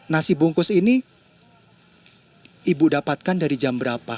nasi bungkus ini ibu dapatkan dari jam berapa